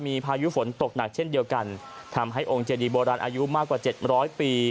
มีพายุฝนตกหนักเช่นเดียวกันทำให้องค์เจดีโบราณอายุมากกว่าเจ็ดร้อยปี